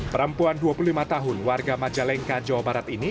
perempuan dua puluh lima tahun warga majalengka jawa barat ini